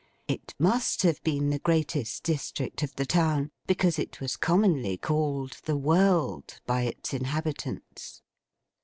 It must have been the greatest district of the town, because it was commonly called 'the world' by its inhabitants.